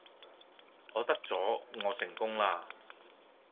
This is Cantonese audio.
我得咗，我成功啦